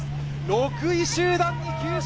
６位集団に吸収。